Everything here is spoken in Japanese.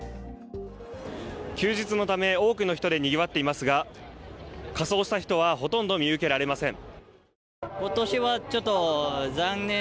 休日のため、多くの人でにぎわっていますが仮装した人はほとんど見受けられません。